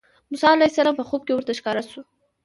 موسی علیه السلام په خوب کې ورته ښکاره شو.